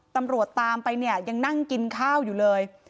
ตามไปเนี่ยยังนั่งกินข้าวอยู่เลย